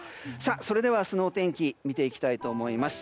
それでは明日の天気見ていきたいと思います。